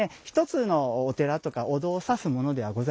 １つのお寺とかお堂を指すものではございません。